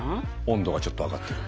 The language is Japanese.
温度がちょっと上がってる。